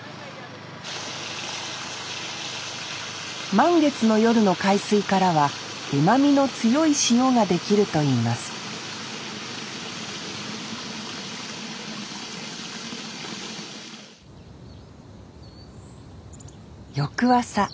満月の夜の海水からはうまみの強い塩が出来るといいます翌朝。